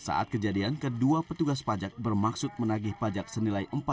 saat kejadian kedua petugas pajak bermaksud menagih pajak senilai empat belas tujuh miliar rupiah